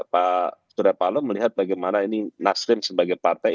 pak surya palo melihat bagaimana ini nasdum sebagai partai ini